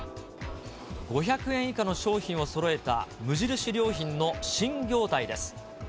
５００円以下の商品をそろえた無印良品の新業態です。